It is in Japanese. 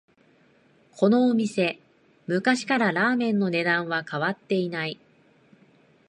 このお店、昔からラーメンの値段は変えてない